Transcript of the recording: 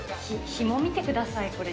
ひも見てください、これ。